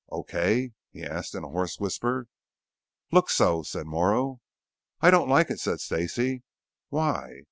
"Okay?" he asked in a hoarse whisper. "Looks so," said Morrow. "I don't like it," said Stacey. "Why?"